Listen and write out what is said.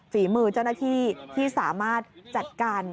ฝีมือเจ้าหน้าที่ที่สามารถจัดการ